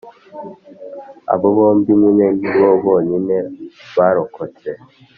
Abo bombi nyine ni bo bonyine barokotse